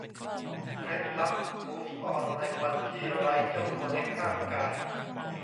เคล็ดลับมูฟออนในวันที่ไร้เจ้าตัวเล็กข้างกาย